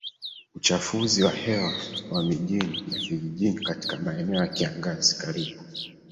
uchafuzi wa hewa wa mijini na vijijini Katika maeneo ya kiangazi karibu